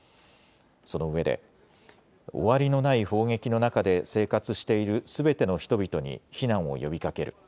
そのうえで、終わりのない砲撃の中で生活しているすべての人々に避難を呼びかける。